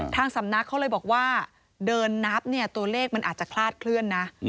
ทางสำนักเขาเลยบอกว่าเดินนับเนี่ยตัวเลขมันอาจจะคลาดเคลื่อนนะ